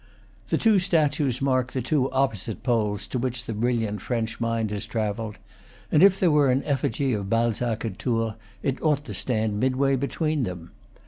_ The two statues mark the two opposite poles to which the brilliant French mind has travelled; and if there were an effigy of Balzac at Tours, it ought to stand midway between them.